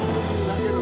sedikit lagi bu